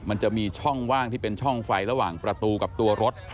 มันจะมีช่องว่างที่เป็นช่องไฟระหว่างประตูกับตัวรถ